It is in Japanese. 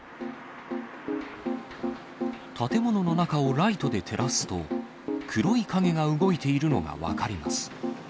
建物の中をライトで照らすと、黒い影が動いているのが分かります。